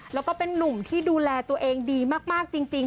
แล้วก็เป็นนุ่มที่ดูแลตัวเองดีมากจริง